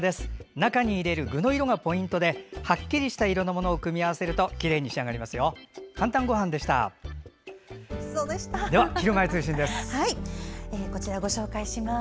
中に入れる具の色がポイントではっきりした色のものを組み合わせるときれいに仕上がります。